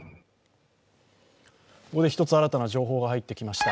ここで一つ新たな情報が入ってきました。